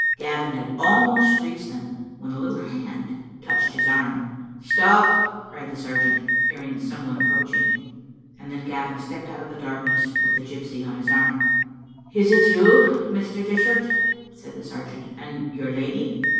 Gavin had almost reached them, when a little hand touched his arm. "Stop," cried the sergeant, hearing some one ap proaching, and then Gavin stepped out of the darkness with the gypsy on his arm. "It is you, Mr. Dishart," said the sergeant, "and your lady?"